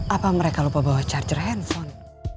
apa mereka lupa bawa charter handphone